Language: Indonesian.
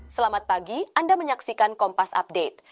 selamat pagi anda menyaksikan kompas update